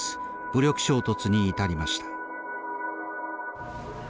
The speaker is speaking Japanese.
武力衝突に至りました。